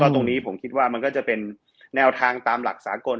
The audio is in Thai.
ตรงนี้ผมคิดว่ามันก็จะเป็นแนวทางตามหลักสากล